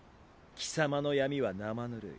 貴様の闇は生ぬるい。